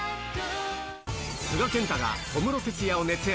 須賀健太が小室哲哉を熱演。